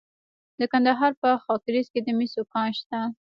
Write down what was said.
د کندهار په خاکریز کې د مسو کان شته.